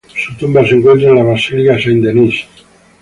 Su tumba se encuentra en la Basílica de Saint Denis.